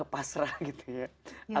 pasrah gitu ya